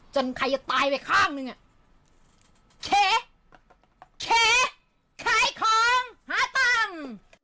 ใครจะตายไปข้างหนึ่งอ่ะแชร์ขายของหาตังค์